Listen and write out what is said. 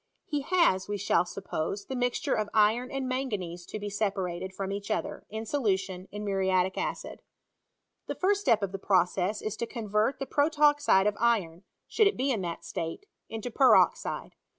He has (we shall suppose) the mixture of iron and manganese to be separated from each other^ in solution, in muriatic acid. The first step of the process is to convert the protoxide of iron (should it be in that state) into peroxide.